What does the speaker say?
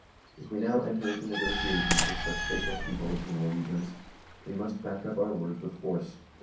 ... If we now enter into negotiations with such faithless people as the Nor wegians, we must back up our words with force," &c.